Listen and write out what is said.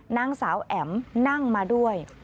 นางสาวแอ๋มนั่งมาด้วย